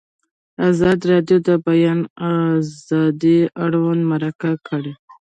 ازادي راډیو د د بیان آزادي اړوند مرکې کړي.